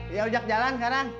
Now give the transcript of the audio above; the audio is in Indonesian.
iya ojak jalan sekarang